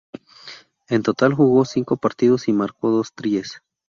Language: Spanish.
En total jugó cinco partidos y marcó dos tries.